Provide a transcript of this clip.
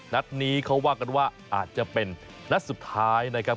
นัดนี้เขาว่ากันว่าอาจจะเป็นนัดสุดท้ายนะครับ